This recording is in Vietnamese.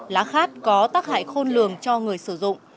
lá khát có tác hại khôn lường cho người sử dụng